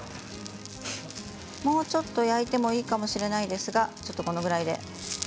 もうちょっと焼いてもいいかもしれないですがちょっとこのぐらいで。